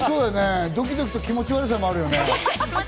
ドキドキと気持ち悪さもあるよね。